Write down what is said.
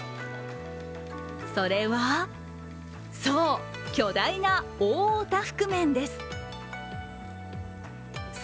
それは、そう巨大な大お多福面です。